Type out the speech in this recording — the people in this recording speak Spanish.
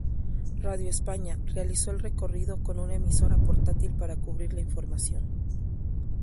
Radio España, realizó el recorrido con una emisora portátil para cubrir la información.